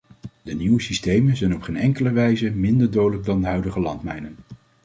De nieuwe systemen zijn op geen enkele wijze minder dodelijk dan de huidige landmijnen.